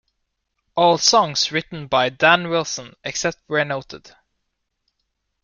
All songs written by Dan Wilson, except where noted.